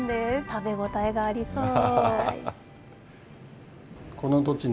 食べ応えがありそう。